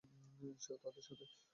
সেও তাদের সাথে!